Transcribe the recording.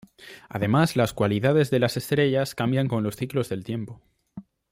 Además, las cualidades de las estrellas cambian con los ciclos del tiempo.